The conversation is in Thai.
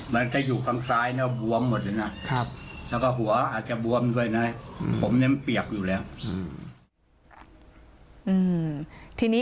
มันจะอยู่ข้างซ้ายเนี่ยบวมหมดเลยนะ